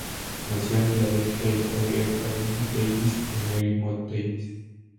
Nació en Filadelfia hijo de Edward M. Davis y Mary Mott Davis.